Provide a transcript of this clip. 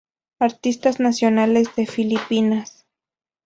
Artistas nacionales de Filipinas.